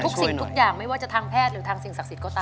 สิ่งทุกอย่างไม่ว่าจะทางแพทย์หรือทางสิ่งศักดิ์สิทธิ์